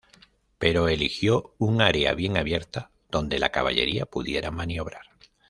Pero eligió un área bien abierta, donde la caballería pudiera maniobrar.